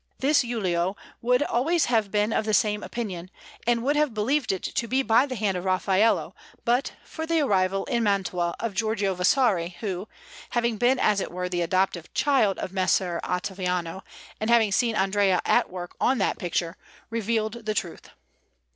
This Giulio would always have been of the same opinion, and would have believed it to be by the hand of Raffaello, but for the arrival in Mantua of Giorgio Vasari, who, having been as it were the adoptive child of Messer Ottaviano, and having seen Andrea at work on that picture, revealed the truth.